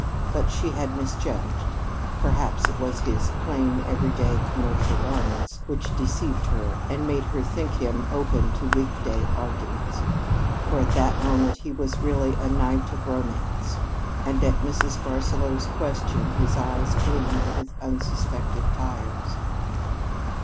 But she had misjudged. Perhaps it was his plain, everyday, commercial garments which deceived her and made her think him open to week day arguments; for at that moment he was really a knight of romance, and at Mrs. Barsaloux's question his eyes gleamed with unsuspected fires.